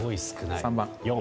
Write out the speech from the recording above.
３番。